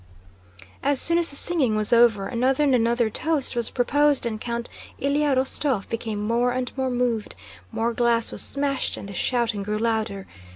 As soon as the singing was over, another and another toast was proposed and Count Ilyá Rostóv became more and more moved, more glass was smashed, and the shouting grew louder.